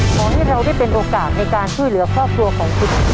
ขอให้เราได้เป็นโอกาสในการช่วยเหลือครอบครัวของคุณ